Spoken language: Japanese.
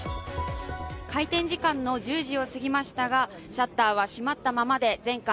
開店時間の１０時を過ぎましたがシャッターは閉まったままで全館